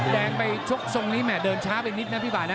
แดงไปชกทรงนี้แห่เดินช้าไปนิดนะพี่ป่านะ